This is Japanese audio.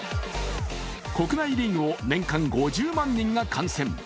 国内リーグを年間５０万人が観戦。